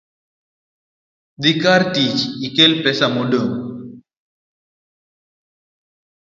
Dhi kar tich ikel pesa modong'